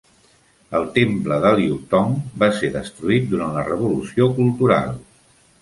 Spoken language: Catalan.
El temple de Liutong va ser destruït durant la revolució cultural.